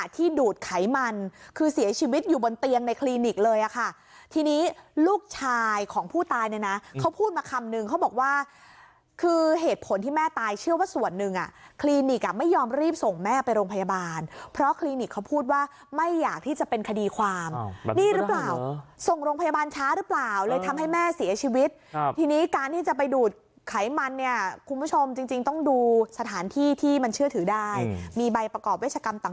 ที่ดูดไขมันคือเสียชีวิตอยู่บนเตียงในคลินิกเลยอ่ะค่ะทีนี้ลูกชายของผู้ตายเนี่ยนะเขาพูดมาคำนึงเขาบอกว่าคือเหตุผลที่แม่ตายเชื่อว่าส่วนหนึ่งอ่ะคลินิกอ่ะไม่ยอมรีบส่งแม่ไปโรงพยาบาลเพราะคลินิกเขาพูดว่าไม่อยากที่จะเป็นคดีความนี่หรือเปล่าส่งโรงพยาบาลช้าหรือเปล่าเลยทำให้แม่